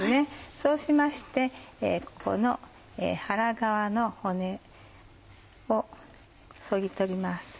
そうしましてここの腹側の骨をそぎ取ります。